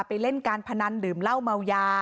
ก็เป็นเรื่องของความศรัทธาเป็นการสร้างขวัญและกำลังใจ